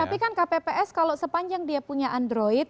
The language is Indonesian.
tapi kan kpps kalau sepanjang dia punya android